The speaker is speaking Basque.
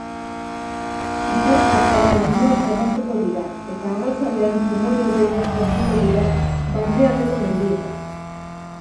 Ipar-partean lainoak agertuko dira eta arratsaldean trumoi-hodeiak sortuko dira barnealdeko mendietan.